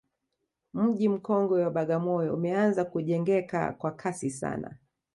mji mkongwe wa bagamoyo umeanza kujengeka kwa kasi sana